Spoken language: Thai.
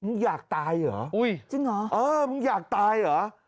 อยากตายเหรออุ้ยจริงเหรอเออมึงอยากตายเหรอ